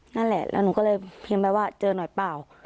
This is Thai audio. นั่นแหละแล้วหนูก็เลยพิมพ์ไปว่าเจอหน่อยเปล่า